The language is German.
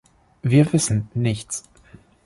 Wir wissen nichts.